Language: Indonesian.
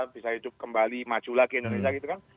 bisa hidup kembali maju lagi indonesia gitu kan